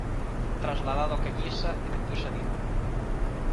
Trasladado á Cañiza e despois a Vigo.